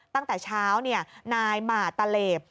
ตั้งแต่เช้านายหมาตะเหลบ